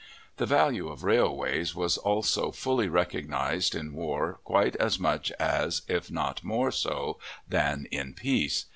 The value of railways is also fully recognized in war quite as much as, if not more so than, in peace.